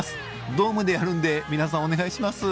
ドームでやるんで皆さんお願いします。